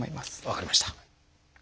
分かりました。